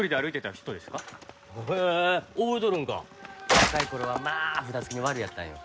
若い頃はまあ札付きのワルやったんよ。